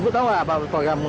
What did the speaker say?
ibu tahu apa program bg ini